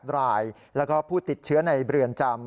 ๗รายแล้วก็ผู้ติดเชื้อในเรือนจำ